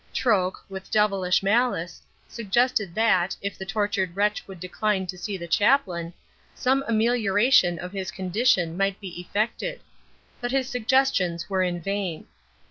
Troke, with devilish malice, suggested that, if the tortured wretch would decline to see the chaplain, some amelioration of his condition might be effected; but his suggestions were in vain.